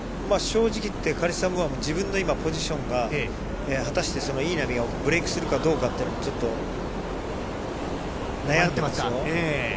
カリッサ・ムーアも自分のポジションが果たしていい波がブレークするかどうかというのはちょっと悩んでいますよ。